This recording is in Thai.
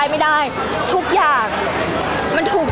พี่ตอบได้แค่นี้จริงค่ะ